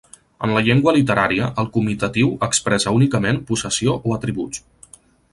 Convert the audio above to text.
En la llengua literària, el comitatiu expressa únicament possessió o atributs.